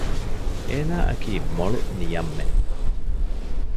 އޭނާ އަކީ މޮޅު ނިޔަންމެއް